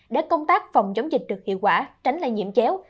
để công tác phòng chống dịch được hiệu quả tránh lây nhiễm chéo